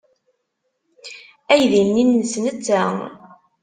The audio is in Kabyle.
Aydi-nni nnes netta.